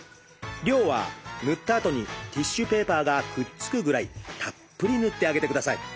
量は塗ったあとにティッシュペーパーがくっつくぐらいたっぷり塗ってあげてください。